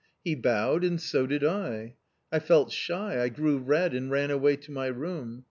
He bowed, and so did I. I felt shy, I grew red and ran away to my room.